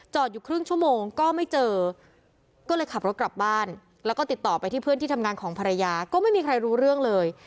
อยู่ครึ่งชั่วโมงก็ไม่เจอก็เลยขับรถกลับบ้านแล้วก็ติดต่อไปที่เพื่อนที่ทำงานของภรรยาก็ไม่มีใครรู้เรื่องเลย